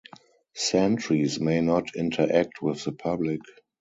Sentries may not interact with the public.